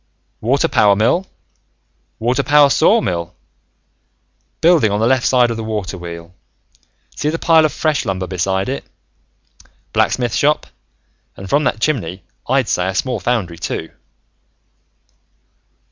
"Water power mill, water power sawmill building on the left side of the water wheel, see the pile of fresh lumber beside it. Blacksmith shop, and from that chimney, I'd say a small foundry, too.